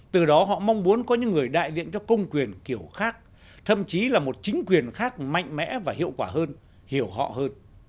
từ đó họ mong muốn có những người đại diện cho công quyền kiểu khác thậm chí là một chính quyền khác mạnh mẽ và hiệu quả hơn hiểu họ hơn